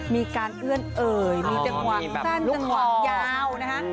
มีการเอื้อนเอ่ยมีจังหวะสั้นจังหวะยาวนะคะ